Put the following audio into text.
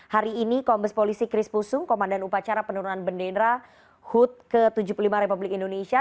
hari ini kombes polisi kris pusung komandan upacara penurunan bendera hud ke tujuh puluh lima republik indonesia